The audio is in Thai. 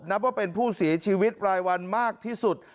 นับว่าเป็นผู้เสียชีวิตรายวันมากที่สุด